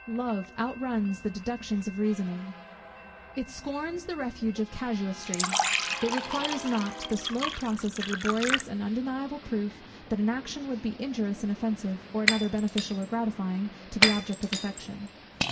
Love outruns the deductions of reasoning; it scorns the refuge of casuistry; it requires not the slow process of laborious and undeniable proof that an action would be injurious and offensive, or another beneficial or gratifying, to the object of affection.